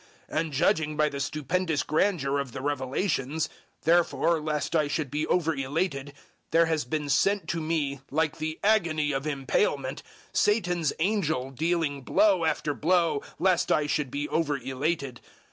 012:007 And judging by the stupendous grandeur of the revelations therefore lest I should be over elated there has been sent to me, like the agony of impalement, Satan's angel dealing blow after blow, lest I should be over elated.